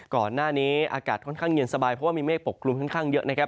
ก่อนหน้านี้อากาศเหงียนสบายเพราะมีเมฆปกกรุมกันเยอะ